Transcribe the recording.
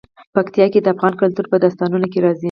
پکتیکا د افغان کلتور په داستانونو کې راځي.